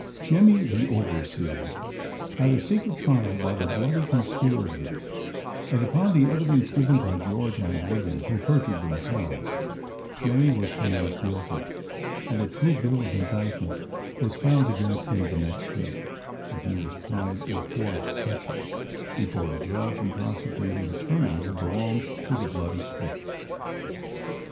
ijEMMY, the overseer, had a secret trial by the. bloody conspirators, and upon the evidence given by (jreorge and William, who perjured them selves, Jemmy was pronomiced guilty, and a true bill of indictment was found against him the next day, when he was tried in the court of sessions, before a judge and prosecuting attorney, who belonged to the bloody clique.